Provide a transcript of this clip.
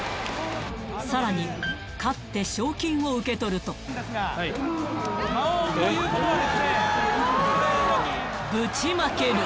さらに勝って賞金を受け取るとぶちまける！